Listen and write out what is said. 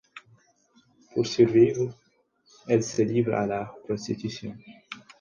Pour survivre, elle se livre à la prostitution...